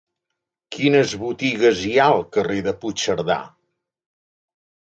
Quines botigues hi ha al carrer de Puigcerdà?